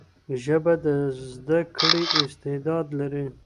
ژبه د زده کړې استعداد لري.